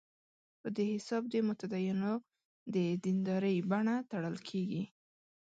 په دې حساب د متدینو د دیندارۍ بڼه تړل کېږي.